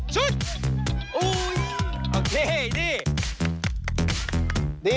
ชุด